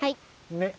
ねっ。